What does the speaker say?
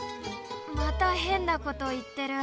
またへんなこといってる。